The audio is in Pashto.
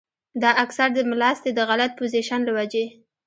دا اکثر د ملاستې د غلط پوزيشن له وجې